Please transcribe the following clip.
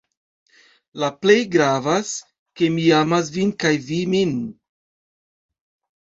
La plej gravas, ke mi amas vin kaj vi min.